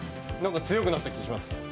強くなった気がします。